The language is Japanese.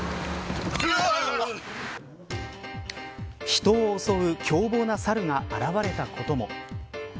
人を襲う凶暴なサルが現れたことも。